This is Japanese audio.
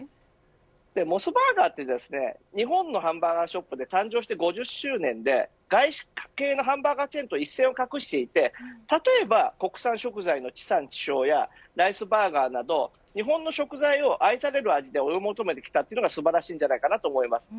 モスバーガーは日本のハンバーガーショップで誕生して５０周年で外資系のハンバーガーチェーンと一線を画していて例えば国産食材の地産地消やライスバーガーなど日本の食材を愛される味で追い求めてきたというのが素晴らしいと思います。